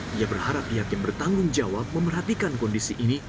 dia berharap pihak yang bertanggung jawab memperhatikan kondisi ini